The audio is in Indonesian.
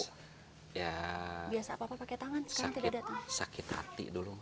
biasa apa pak pakai tangan sekarang tidak ada tangan